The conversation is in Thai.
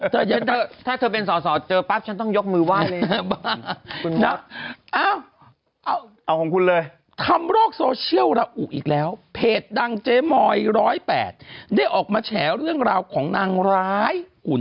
เธอถ้าเธอเป็นสอสอเจอปั๊บฉันต้องยกมือไหว้เลยนะ